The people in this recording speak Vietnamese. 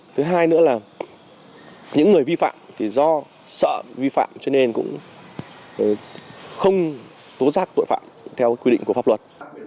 thứ hai nữa là những người vi phạm thì do sợ vi phạm cho nên cũng không tố giác tội phạm theo quy định của pháp luật